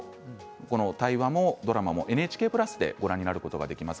この対話もドラマもＮＨＫプラスでご覧になることができます。